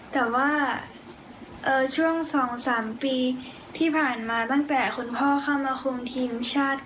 แต่ว่าช่วง๒๓ปีที่ผ่านมาตั้งแต่คุณพ่อเข้ามาคุมทีมชาติ